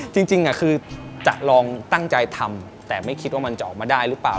จริงคือจะลองตั้งใจทำแต่ไม่คิดว่ามันจะออกมาได้หรือเปล่า